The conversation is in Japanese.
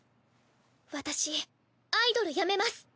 私アイドル辞めます！